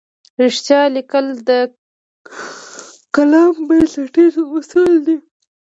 رښتیا لیکل د کالم بنسټیز اصل دی.